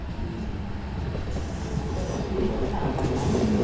ディレクターは悩みました。